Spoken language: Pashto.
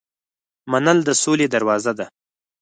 منل د سولې دروازه ده.